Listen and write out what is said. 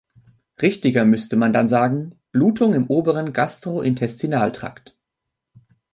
Richtiger müsste man dann sagen: Blutung im oberen Gastrointestinaltrakt.